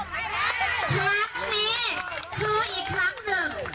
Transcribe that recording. ครั้งนี้คืออีกครั้งหนึ่ง